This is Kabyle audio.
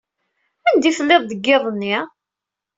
Anda ay tellid deg yiḍ-nni?